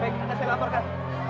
baik ada selator kan